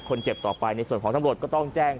คนเจ็บต่อไปในส่วนของตำรวจก็ต้องแจ้ง